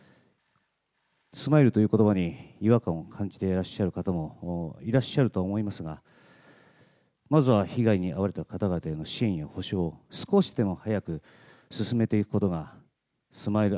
スマイルということばに違和感を感じていらっしゃる方もいらっしゃるとは思いますが、まずは被害に遭われた方々への支援や補償を少しでも早く進めていくことが、ＳＭＩＬＥ